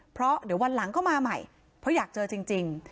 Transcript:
เพราะเดี๋ยววันหลังก็มาใหม่เพราะอยากเจอจริง